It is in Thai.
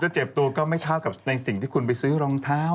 เจ็บตัวก็ไม่เช้ากับในสิ่งที่คุณไปซื้อรองเท้า